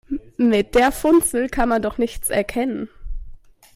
Mit der Funzel kann man doch nichts erkennen.